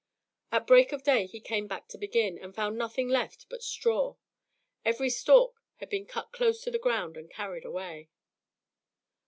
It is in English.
At break of day he came back to begin; but found nothing left but straw. Every stalk had been cut close to the ground and carried away.